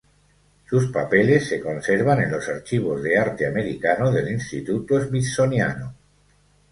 Sus papeles se conservan en los Archivos de Arte Americano del Instituto Smithsoniano.